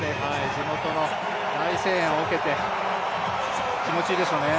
地元の大声援を受けて、気持ちいいでしょうね。